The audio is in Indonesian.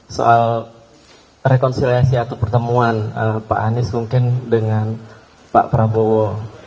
soal rekonsiliasi atau pertemuan pak anies mungkin dengan pak prabowo